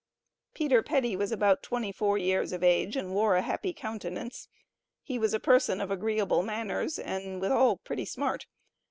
PETER PETTY was about twenty four years of age, and wore a happy countenance; he was a person of agreeable manners, and withal pretty smart.